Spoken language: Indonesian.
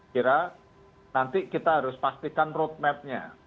kira nanti kita harus pastikan roadmapnya